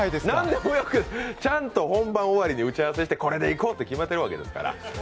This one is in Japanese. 何でもよくない、ちゃんと本番終わりに打ち合わせしてこれでいこうって決めてるわけですから。